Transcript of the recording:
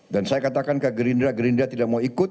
dan saya katakan ke gerindra gerindra tidak mau ikut